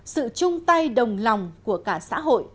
sự chung tay đồng lòng của cả xã hội